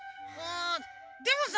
んでもさ